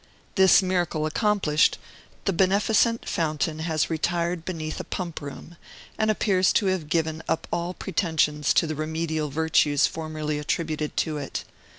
This miracle accomplished, the beneficent fountain has retired beneath a pump room, and appears to have given up all pretensions to the remedial virtues formerly attributed to it.